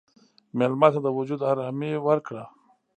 مېلمه ته د وجود ارامي ورکړه.